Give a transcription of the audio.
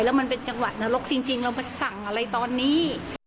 แล้วมันเป็นจังหวะนรกจริงเรามาสั่งอะไรตอนนี้